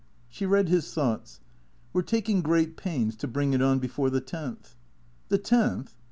She read his thoughts. " We 're taking great pains to bring it on before the tenth." " The tenth